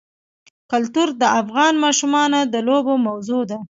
کلتور د افغان ماشومانو د لوبو موضوع ده.